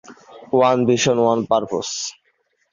One Vision, One Purpose!